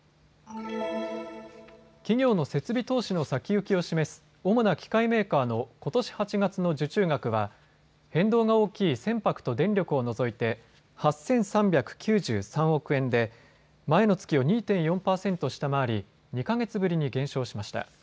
企業の設備投資の先行きを示す主な機械メーカーのことし８月の受注額は変動が大きい船舶と電力を除いて８３９３億円で前の月を２．４％下回り２か月ぶりに減少しました。